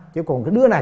chứ còn cái đứa này